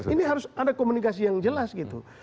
ini harus ada komunikasi yang jelas gitu